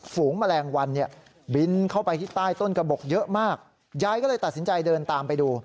ฝูงแมลงวันเนี่ยบินเข้าไปที่ใต้ต้นกระบบเยอะมากยายก็เลยตัดสินใจเดินตามไปดู